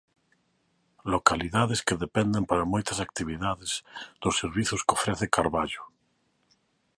Localidades que dependen para moitas actividades dos servizos que ofrece Carballo.